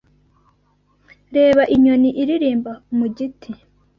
Reba inyoni iririmba mu giti